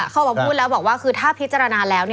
ออกมาพูดแล้วบอกว่าคือถ้าพิจารณาแล้ว